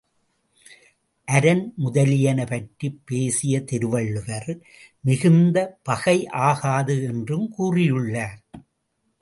அரண் முதலியன பற்றிப் பேசிய திருவள்ளுவர், மிகுந்த பகை ஆகாது என்றும் கூறியுள்ளார்.